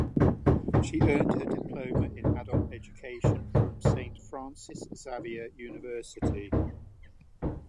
She earned her Diploma in Adult Education from Saint Francis Xavier University.